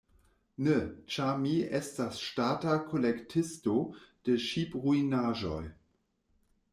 Ne, ĉar mi estas ŝtata kolektisto de ŝipruinaĵoj.